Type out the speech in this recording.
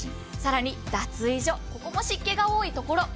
更に脱衣所、ここも湿気が多いところ。